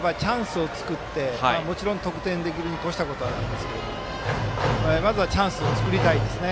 もちろん、得点できるに越したことはないですがまずはチャンスを作りたいですね。